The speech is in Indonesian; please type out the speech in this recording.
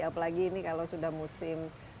apalagi ini kalau sudah musim